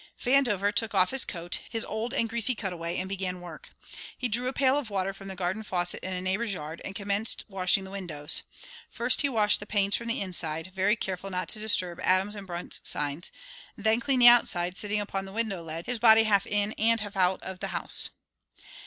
Vandover took off his coat, his old and greasy cutaway, and began work. He drew a pail of water from the garden faucet in a neighbour's yard, and commenced washing the windows. First he washed the panes from the inside, very careful not to disturb Adams & Brunt's signs, and then cleaned the outside, sitting upon the window ledge, his body half in and half out of the house.